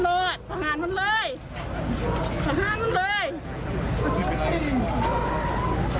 เตี๋ยวก่อนเตี๋ยวก่อนเตี๋ยวก่อน